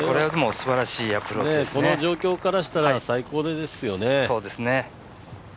この状況からしたら最高ですよね。